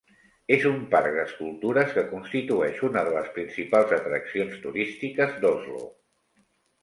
És un parc d'escultures que constitueix una de les principals atraccions turístiques d'Oslo.